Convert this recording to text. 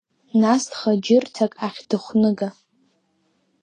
Нас ҭхаџьырҭак ахь дыхәныга.